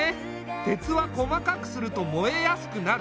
鉄は細かくすると燃えやすくなる。